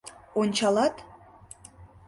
Ончалат: